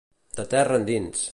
De terra endins.